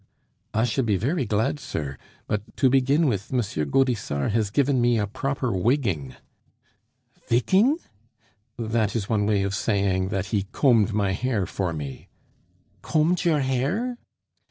"I should be very glad, sir; but, to begin with, M. Gaudissart has given me a proper wigging " "Vigging?" "That is one way of saying that he combed my hair for me." "_Combed your hair?